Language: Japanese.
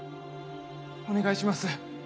お願いします。